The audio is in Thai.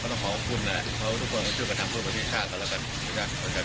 เขาเห็นหรือเปล่าถ้าไม่สังเกติเห็นก็ทิ้งกัน